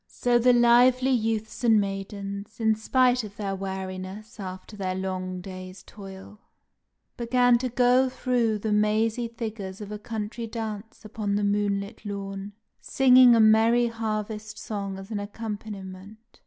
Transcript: So the lively youths and maidens, in spite of weariness after their long day's toil, began to go through the mazy figures of a country dance upon the moonlit lawn, singing a merry harvest song as an accompaniment.